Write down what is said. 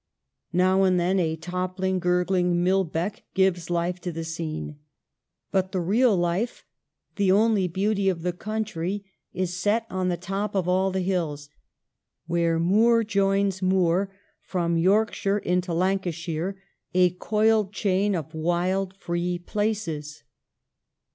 Now and then a toppling, gurgling mill beck gives life to the scene. But the real life, the only beauty of the country, is set on the top of all the hills, where moor joins moor from York shire into Lancashire, a coiled chain of wild, free places.